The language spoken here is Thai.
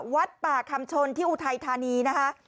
วัดป่าคำชนที่อุทัยธานีนะคะ